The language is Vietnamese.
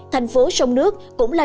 thành phố sông nước cũng là